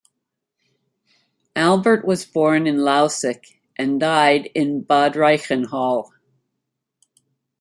Albert was born in Lausick and died in Bad Reichenhall.